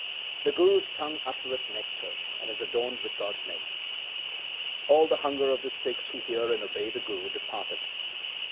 The Guru's tongue uttereth nectar, and is adorned with God's name. All the hunger of the Sikhs who hear and obey the Guru departeth.